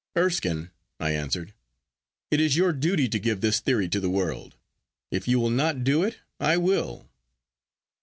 'Erskine,' I answered, 'it is your duty to give this theory to the world. If you will not do it, I will.